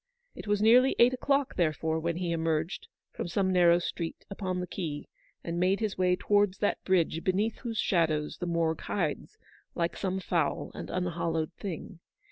It was nearly eight o'clock therefore when he emerged, from some narrow street, upon the quay, and made his way towards that bridge be 128 ELEANOR S VICTOEY. neath whose shadow the Morgue hides, like some foul and unhallowed thing.